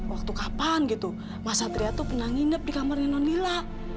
waktu kapan gitu mas satria tuh pernah nginep di kamarnya nonila